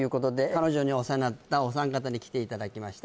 彼女にお世話になったお三方に来ていただきました